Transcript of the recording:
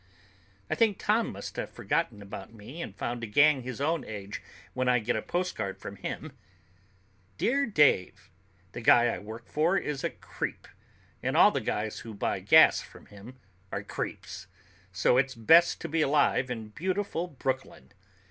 I think Tom must have forgotten about me and found a gang his own age when I get a postcard from him: "Dear Dave, The guy I work for is a creep, and all the guys who buy gas from him are creeps, so it's great to be alive in Beautiful Brooklyn!